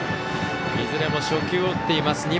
いずれも初球を打っています。